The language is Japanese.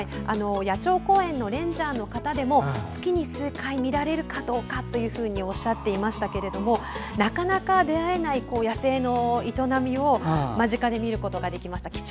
野鳥公園のレンジャーの方でも月に数回、見られるかどうかとおっしゃっていましたけれどもなかなか出会えない野性の営みを間近で見ることができました。